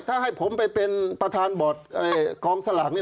ถ้าให้ผมไปเป็นประธานบอร์ดกองสลากนี้